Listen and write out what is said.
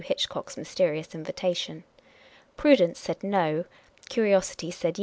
Hitchcock's mysterious invita tion. Prudence said 110 ; curiosity saidj^.?